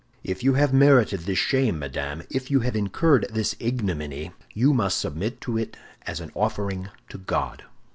"If you have merited this shame, madame, if you have incurred this ignominy, you must submit to it as an offering to God."